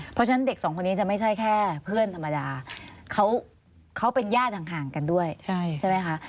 เพราะฉะนั้นเด็กสองคนนี้จะไม่ใช่แค่เพื่อนธรรมดาเขาเป็นญาติห่างกันด้วยใช่ไหมคะ